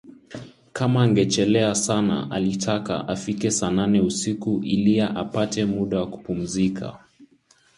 Kama angechelea sana alitaka afike saa nane usiku ilia apate muda wa kupumzika